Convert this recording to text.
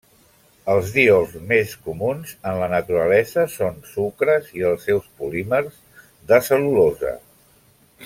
Els diols més comuns en la naturalesa són sucres i els seus polímers, de cel·lulosa.